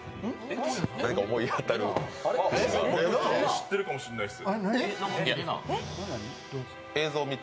知ってるかもしれないです。